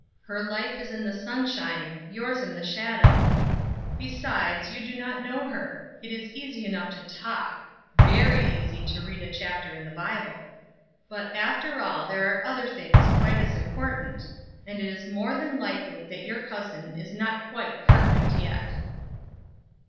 Her life is in the sunshine, yours in the shadow. Besides, you do not know her; it is easy enough to talk; very easy to read a chapter in the Bible; but after all there are other things quite as important, and it is more than likely that your cousin is not quite perfect yet."